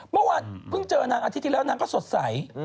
เมื่ออาทิตย์ที่แล้วนางเขาสดใส